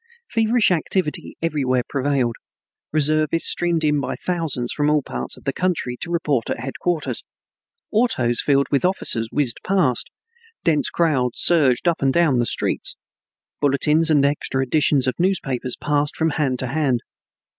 Feverish activity everywhere prevailed. Reservists streamed in by thousands from all parts of the country to report at headquarters. Autos filled with officers whizzed past. Dense crowds surged up and down the streets. Bulletins and extra editions of newspapers passed from hand to hand.